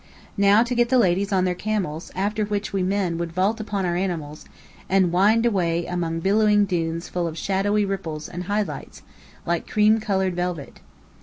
Now to get the ladies on their camels, after which we men would vault upon our animals, and wind away among billowing dunes full of shadowy ripples and high lights, like cream coloured velvet!